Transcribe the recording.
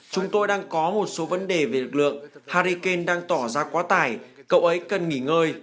chúng tôi đang có một số vấn đề về lực lượng harry kane đang tỏ ra quá tài cậu ấy cần nghỉ ngơi